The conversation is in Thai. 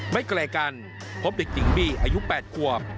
ไม่ไกลกันพบเด็กหญิงบี้อายุ๘ขวบ